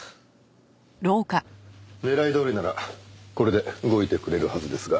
狙いどおりならこれで動いてくれるはずですが。